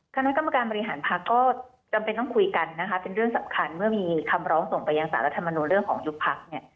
คณะกรรมการบริหารพักก็จำเป็นต้องคุยกันนะคะเป็นเรื่องสำคัญเมื่อมีคำร้องส่งไปยังสารรัฐมนุนเรื่องของยุบพักเนี่ย